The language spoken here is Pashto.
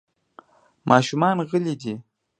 ماشومان غلي دي .